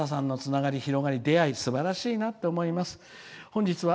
さださんのつながり、広がり出会いすばらしいと思います。